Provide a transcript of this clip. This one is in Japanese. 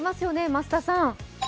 増田さん。